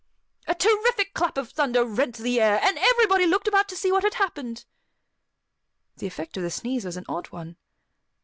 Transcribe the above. A terrific clap of thunder rent the air, and everybody looked about to see what had happened. The effect of the sneeze was an odd one.